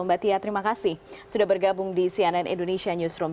mbak tia terima kasih sudah bergabung di cnn indonesia newsroom